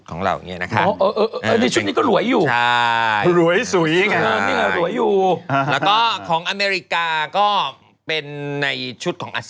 ของเรานี่นะฮะ